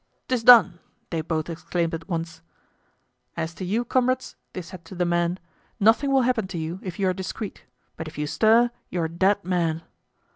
"'Tis done!" they both exclaimed at once. "As to you, comrades," they said to the men, "nothing will happen to you if you are discreet; but if you stir you are dead men."